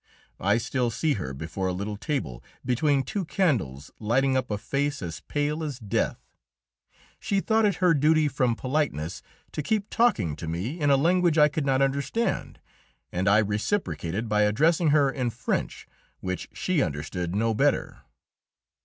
I still see her before a little table, between two candles lighting up a face as pale as death. She thought it her duty, from politeness, to keep talking to me in a language I could not understand, and I reciprocated by addressing her in French, which she understood no better.